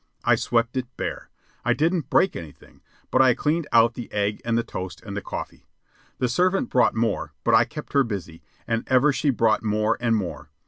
I swept it bare. I didn't break anything, but I cleaned out the eggs and the toast and the coffee. The servant brought more, but I kept her busy, and ever she brought more and more.